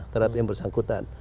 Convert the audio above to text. terhadap yang bersangkutan